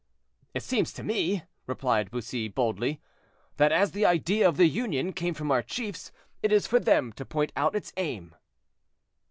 "It seems to me," replied Bussy, boldly, "that as the idea of the Union came from our chiefs, it is for them to point out its aim."